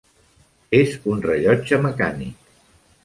És un rellotge mecànic.